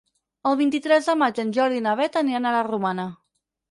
El vint-i-tres de maig en Jordi i na Beth aniran a la Romana.